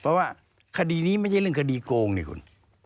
เพราะว่าคดีนี้ไม่ใช่เรื่องคดีโกงนี่คุณ